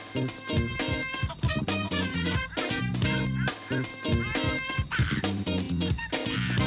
สวัสดีค่ะข้าวใจไทยสดใหม่ใหญ่เยอะ